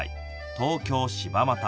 東京、柴又。